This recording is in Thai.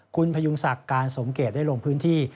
คุณพยุงศักดิ์การสมเกตได้ลงพื้นที่